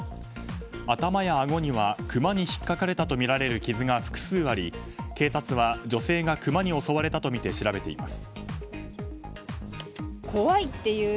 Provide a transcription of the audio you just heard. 頭やあごにはクマに引っかかれたとみられる傷が複数あり警察は女性がクマに襲われたとみて調べています。